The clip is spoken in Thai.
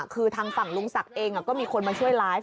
คือทางฝั่งลุงศักดิ์เองก็มีคนมาช่วยไลฟ์